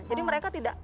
jadi mereka tidak